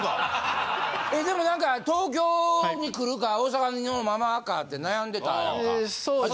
えでも何か東京に来るか大阪のままかって悩んでたやんか。